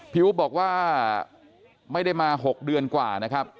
อุ๊บบอกว่าไม่ได้มา๖เดือนกว่านะครับ